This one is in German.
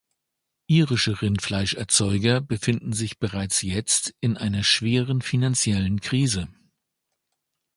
Irische Rindfleischerzeuger befinden sich bereits jetzt in einer schweren finanziellen Krise.